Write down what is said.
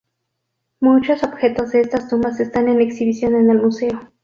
Muchos objetos de estas tumbas están en exhibición en el Museo.